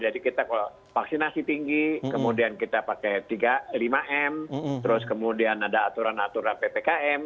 jadi kita vaksinasi tinggi kemudian kita pakai lima m terus kemudian ada aturan aturan ppkm